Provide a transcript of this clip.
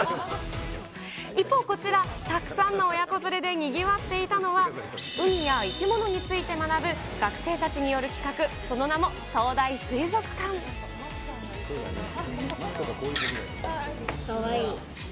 一方、こちら、たくさんの親子連れでにぎわっていたのは、海や生き物について学ぶ学生たちによる企画、その名も、東大水族かわいい。